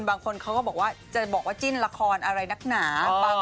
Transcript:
บางคนเขาก็จะบอกว่าจิ้นราคอนอะไรนักหนา